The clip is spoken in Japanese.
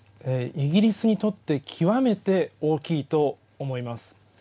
イギリスにとって極めて大きいと思います。